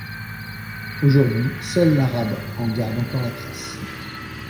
Aujourd’hui, seul l’arabe en garde encore la trace.